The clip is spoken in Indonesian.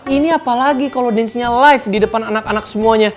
ini apalagi kalau dance nya live di depan anak anak semuanya